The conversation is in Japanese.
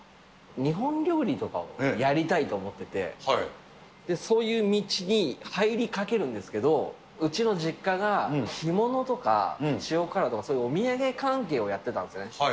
日本料理とかをやりたいと思ってて、そういう道に入りかけるんですけど、うちの実家が干物とか塩辛とか、そういうおみやげ関係をやってたんですね。